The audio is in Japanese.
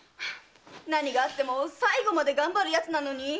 何があっても最後までがんばる奴なのに。